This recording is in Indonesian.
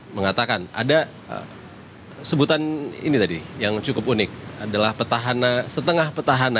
mengatakan ada sebutan ini tadi yang cukup unik adalah setengah petahana